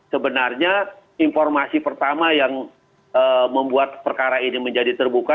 sebenarnya informasi pertama yang membuat perkara ini menjadi terbuka